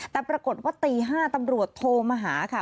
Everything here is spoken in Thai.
แต่ปรากฏว่าตี๕ตำรวจโทรมาหาค่ะ